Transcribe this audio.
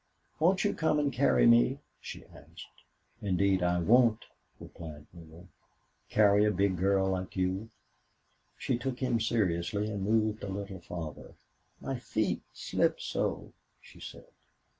"Won't you come and carry me?" she asked. "Indeed I won't," replied Neale. "Carry a big girl like you!" She took him seriously and moved a little farther. "My feet slip so," she said.